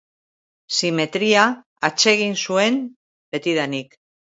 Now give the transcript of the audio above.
Simetria atsegin zuen betidanik.